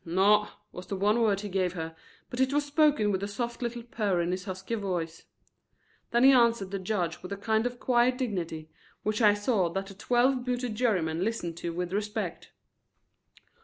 "Naw," was the one word he gave her, but it was spoken with a soft little purr in his husky voice. Then he answered the judge with a kind of quiet dignity, which I saw that the twelve booted jurymen listened to with respect.